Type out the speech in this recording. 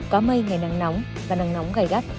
có mây ngày nắng nóng và nắng nóng gai gắt